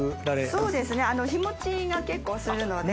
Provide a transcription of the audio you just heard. そうですね日持ちが結構するので。